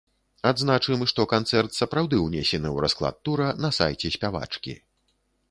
Адзначым, што канцэрт сапраўды ўнесены ў расклад тура на сайце спявачкі.